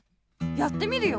やってみるよ。